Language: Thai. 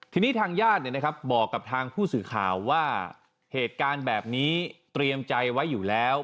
ทีนี้ทางญาติบอกกับทางผู้สื่อข่าวว่าเหตุการณ์แบบนี้เตรียมใจไว้อยู่แล้ว